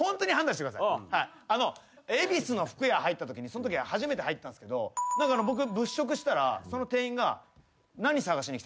恵比寿の服屋入ったときにそのとき初めて入ったんすけど僕物色してたらその店員が。